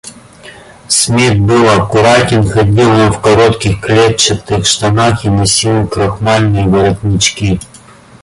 Смит был аккуратен; ходил он в коротких клетчатых штанах и носил крахмальные воротнички.